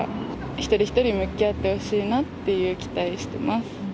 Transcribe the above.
一人一人向き合ってほしいなっていう期待してます。